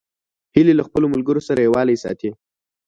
هیلۍ له خپلو ملګرو سره یووالی ساتي